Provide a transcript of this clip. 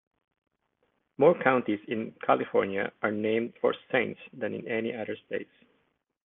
More counties in California are named for saints than in any other state.